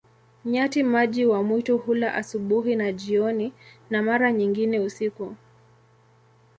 Nyati-maji wa mwitu hula asubuhi na jioni, na mara nyingine usiku.